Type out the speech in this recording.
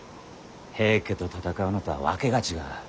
平家と戦うのとは訳が違う。